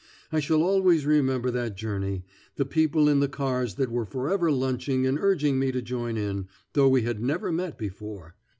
I shall always remember that journey: the people in the cars that were forever lunching and urging me to join in, though we had never met before.